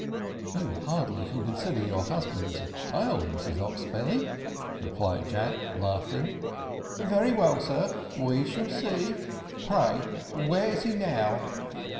"You hardly can consider your husband as a child, Mrs Oxbelly," replied Jack, laughing. "Very well, sir, we shall see. Pray, where is he now?"